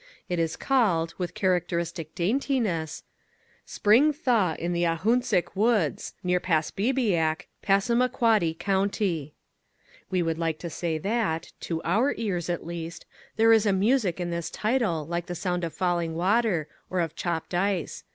It is called, with characteristic daintiness SPRING THAW IN THE AHUNTSIC WOODS, NEAR PASPEBIAC, PASSAMOQUODDY COUNTY (We would like to say that, to our ears at least, there is a music in this title like the sound of falling water, or of chopped ice.